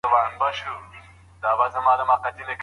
ولي حضوري ټولګي د لري واټن زده کړي په پرتله ډیر منظم دي؟